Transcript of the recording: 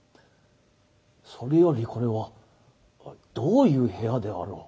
それよりこれはどういう部屋であろう？